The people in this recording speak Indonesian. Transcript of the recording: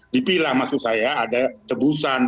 dipilah maksud saya ada tebusan